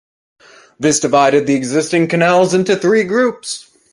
This divided the existing canals into three groups.